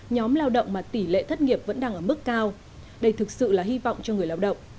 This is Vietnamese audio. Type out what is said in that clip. nhóm lao động mà tỷ lệ thất nghiệp vẫn đang ở mức cao đây thực sự là hy vọng cho người lao động